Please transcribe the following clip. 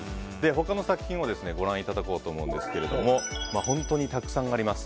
他の作品もご覧いただこうと思うんですが本当にたくさんあります。